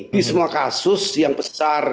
di semua kasus yang besar